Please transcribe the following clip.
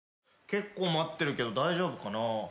結構待ってるけど大丈夫かな？